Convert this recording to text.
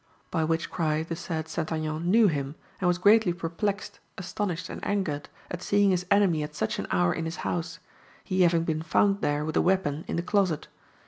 By which cry the said St. Aignan knew him, and was greatly perplexed, astonished, and angered, at seeing his enemy at such an hour in his house, he having been found there, with a weapon, in the closet.